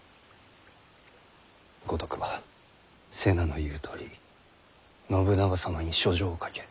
五徳は瀬名の言うとおり信長様に書状を書け。